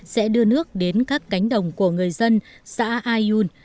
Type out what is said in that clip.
sẽ đưa nước đến các cánh đồng của người dân xã ayun